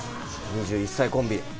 ２１歳コンビ。